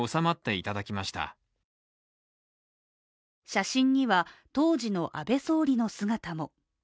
写真には当時の安倍総理の姿も。